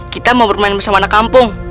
kita mau bermain bersama anak kampung